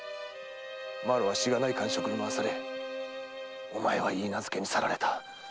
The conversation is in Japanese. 麻呂はしがない閑職に回されお前は許嫁に去られた。